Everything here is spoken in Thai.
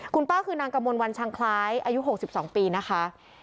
คุณป้าคือนางกระมวลวันชังคล้ายอายุ๖๒ปีนะคะ